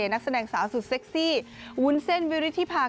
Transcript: นักแสดงสาวสุดเซ็กซี่วุ้นเส้นวิริธิภาค